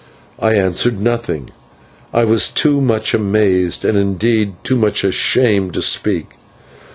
I said nothing. I was too much amazed, and, indeed, too much ashamed, to speak.